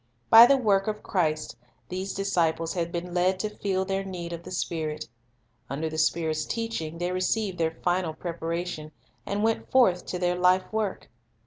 By the work of Christ these disciples had been led to feel their need of the Spirit; under the Spirit's teach ing they received their final preparation, and went forth to their life work.